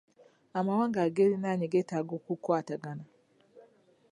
Amawanga agerinaanye getaaga okukwatagana.